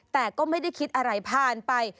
แต่ก็ไม่ได้คิดอะไรผ่านไป